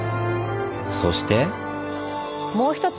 そして。